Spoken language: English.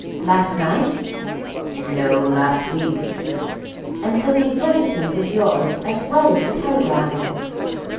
"Last night?" "No, last week." "And so the advertisement was yours, as well as the telegram!"